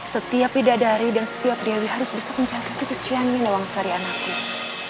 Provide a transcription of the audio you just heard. setiap bidadari dan setiap riawi harus bisa mencari kesuciannya lawang sari anaknya